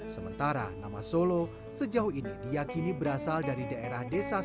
sementara nama solo sejauh ini diakini berasal dari daerah desa